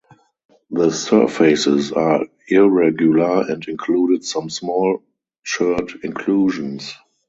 The surfaces are irregular and included some small chert inclusions.